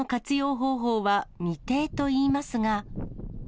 方法は未定といいますが。